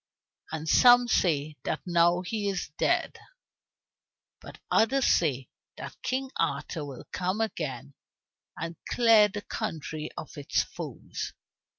And some say that now he is dead, but others say that King Arthur will come again, and clear the country of its foes.